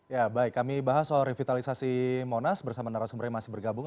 ya baik kami bahas soal revitalisasi monas bersama narasumber yang masih bergabung